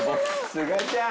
すがちゃん。